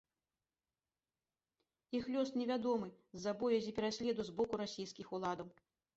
Іх лёс невядомы з-за боязі пераследу з боку расійскіх уладаў.